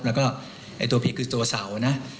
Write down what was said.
แล้วก็ตัวผิดคือตัวเสานะ